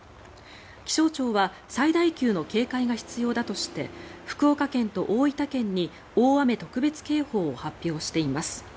気象庁は最大級の警戒が必要だとして福岡県と大分県に大雨特別警報を発表しています。